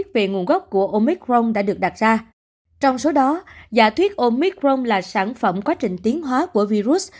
trong số đó giả thuyết omicron là sản phẩm quá trình tiến hóa của virus